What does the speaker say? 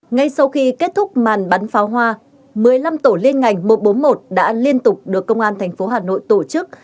ngay sau khi kết thúc màn bắn pháo hoa một mươi năm tổ liên ngành một trăm bốn mươi một đã liên tục được công an thành phố hà nội tổ chức